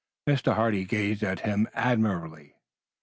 Mr. Hardy gazed at him admiringly.